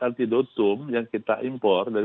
antidotum yang kita impor dari